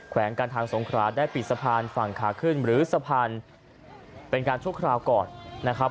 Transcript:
วงการทางสงคราได้ปิดสะพานฝั่งขาขึ้นหรือสะพานเป็นการชั่วคราวก่อนนะครับ